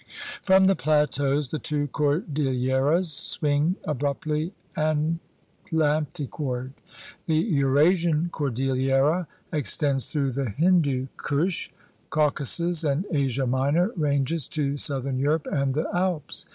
From the plateaus the two Cordilleras swing abruptly Atlantic ward. The Eurasian cordillera extends through the Hindu Kush, Caucasus, and Asia Minor ranges to southern Europe and the Alps.